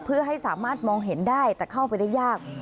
เพื่อให้สามารถมองเห็นได้แต่เข้าไปได้ยาก